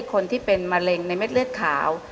คนที่เป็นมะเร็งในเม็ดเลือดขาว